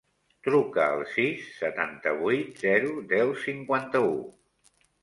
Truca al sis, setanta-vuit, zero, deu, cinquanta-u.